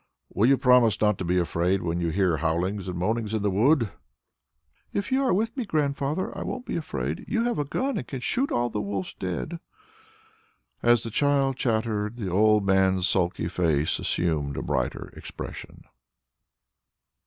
Will you promise not to be afraid when you hear howlings and moanings in the wood?" "If you are with me, Grandfather, I won't be afraid. You have a gun and can shoot all the wolves dead." As the child chattered, the old man's sulky face assumed a brighter expression.